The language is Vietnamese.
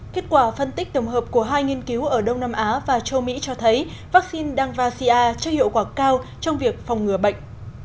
kết quả phân tích tổng hợp của hai nghiên cứu ở đông nam á và châu mỹ cho thấy vaccine danvasia cho hiệu quả cao trong việc phòng ngừa bệnh